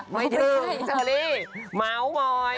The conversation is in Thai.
ไม่ถึงเจอรี่เม้ามอย